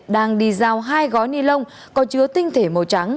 đang đi giao hai gói ni lông có chứa tinh thể màu trắng